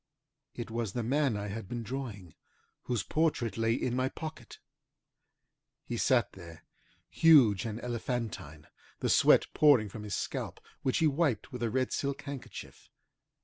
It was the man I had been drawing, whose portrait lay in my pocket. He sat there, huge and elephantine, the sweat pouring from his scalp, which he wiped with a red silk handkerchief.